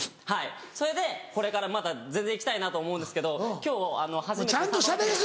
はいそれでこれからまだ全然生きたいなと思うんですけど今日初めて『さんま御殿‼』。